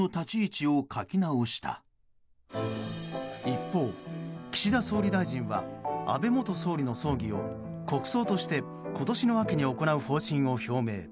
一方、岸田総理大臣は安倍元総理の葬儀を国葬として今年の秋に行う方針を表明。